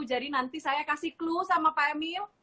jadi nanti saya kasih clue sama pak emil